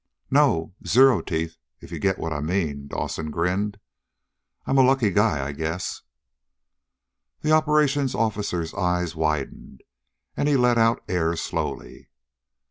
"No, Zero teeth, if you get what I mean," Dave grinned. "I'm a lucky guy, I guess." The operation officer's eyes widened, and he let out air slowly.